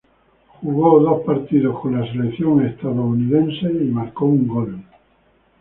Jugó dos partidos con el selección estadounidense y marcó un gol.